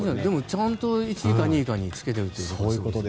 ちゃんと１位か２位につけているということですよね。